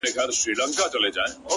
• قربانو مخه دي ښه،